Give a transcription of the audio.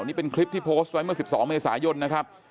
นี่เป็นคลิปที่โพสต์ไว้เมื่อ๑๒เมษายนนะครับ